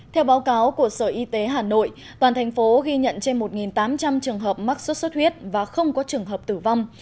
theo báo cáo của sở y tế hà nội toàn thành phố ghi nhận trên một tám trăm linh trường hợp mắc sốt xuất huyết và không có trường hợp tử vong